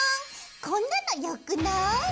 こんなのよくない？